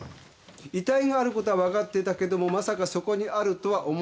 「遺体があることは分かっていたけどもまさかそこにあるとは思わなかった」って。